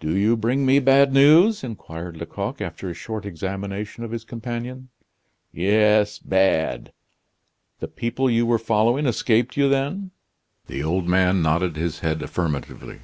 "Do you bring me bad news?" inquired Lecoq, after a short examination of his companion. "Yes, bad." "The people you were following escaped you, then?" The old man nodded his head affirmatively.